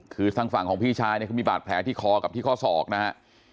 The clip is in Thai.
คือทางฝั่งของพี่ชายเนี่ยเขามีบาดแผลที่คอกับที่ข้อศอกนะฮะ